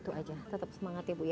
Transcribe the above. itu aja tetap semangat ya bu ya